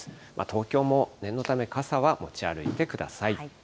東京も念のため、傘は持ち歩いてください。